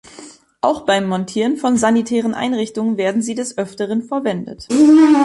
Auch beim Montieren von sanitären Einrichtungen werden sie des Öfteren verwendet.